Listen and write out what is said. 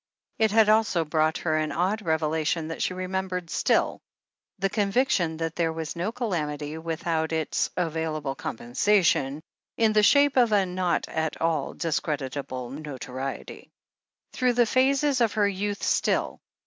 It had also brought her an odd revelation, that she rememberetl still : the conviction that there was no calamity without its available compensation, in the shape of a not at all discreditable notoriety. Through the phases of her youth still.